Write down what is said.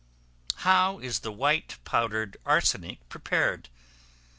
How is the white powdered arsenic prepared?